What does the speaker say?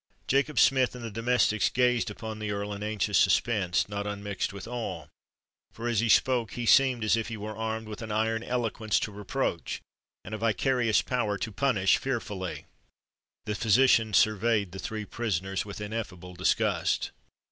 Jacob Smith and the domestics gazed upon the Earl in anxious suspense, not unmixed with awe; for, as he spoke, he seemed as if he were armed with an iron eloquence to reproach, and a vicarious power to punish fearfully. The physician surveyed the three prisoners with ineffable disgust.